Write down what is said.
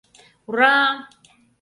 Ура-а!